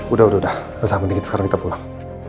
udah udah udah sampe nih kita sekarang kita pulang